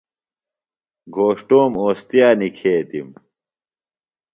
گھوݜٹوم اوستِیہ نِکھیتِم۔